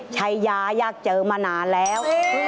ใจย้ายักษ์เจอมานานแล้ว